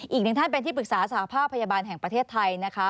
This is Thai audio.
อีกหนึ่งท่านเป็นที่ปรึกษาสหภาพพยาบาลแห่งประเทศไทยนะคะ